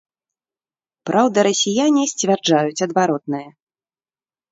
Праўда, расіяне сцвярджаюць адваротнае.